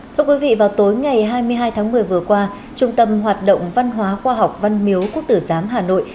thưa quý vị vào tối ngày hai mươi hai tháng một mươi vừa qua trung tâm hoạt động văn hóa khoa học văn miếu quốc tử giám hà nội